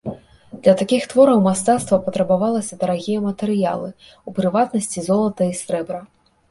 Для такіх твораў мастацтва патрабаваліся дарагія матэрыялы, у прыватнасці золата і срэбра.